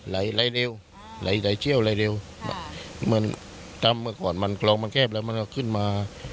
ไหลเร็วไหลเชี่ยวไหลเร็วเหมือนตามเมื่อก่อนมันคลองมันแคบแล้วมันก็ขึ้นมา